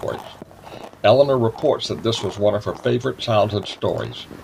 Eleanor reports that this was one of her favourite childhood stories.